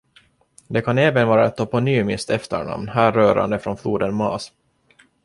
Det kan även vara ett toponymiskt efternamn härrörande från floden Maas.